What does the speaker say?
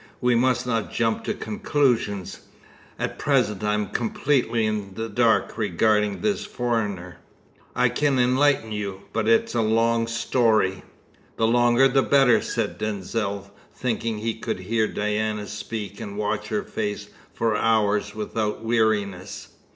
"We must not jump to conclusions. At present I am completely in the dark regarding this foreigner." "I can enlighten you, but it is a long story." "The longer the better," said Denzil, thinking he could hear Diana speak and watch her face for hours without weariness.